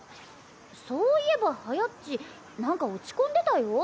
そういえばはやっちなんか落ち込んでたよ。